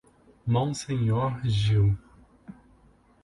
Monsenhor Gil